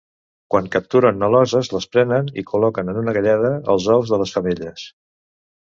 Quan capturen aloses les prenen i col·loquen en una galleda els ous de les femelles.